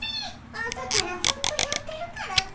朝からずっとやってるからね。